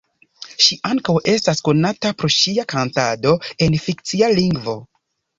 Ŝi ankaŭ estas konata pro ŝia kantado en fikcia lingvo.